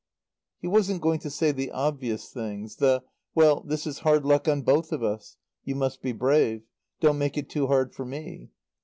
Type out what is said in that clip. He wasn't going to say the obvious things, the "Well, this is hard luck on both of us. You must be brave. Don't make it too hard for me."